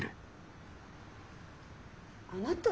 あなた。